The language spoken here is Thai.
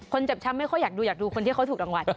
เจ็บช้ำไม่ค่อยอยากดูอยากดูคนที่เขาถูกรางวัล